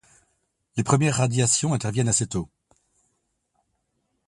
Les premières radiations interviennent assez tôt.